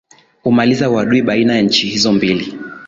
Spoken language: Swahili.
umaliza uadui baina ya nchi hizo mbili